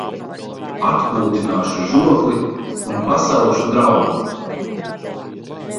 Atpūtināšu žokli un pasaukšu draugu.